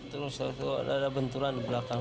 terus ada benturan di belakang